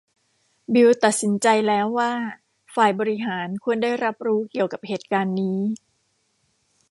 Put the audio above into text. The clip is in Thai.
บิลล์ตัดสินใจแล้วว่าฝ่ายบริหารควรได้รับรู้เกี่ยวกับเหตุการณ์นี้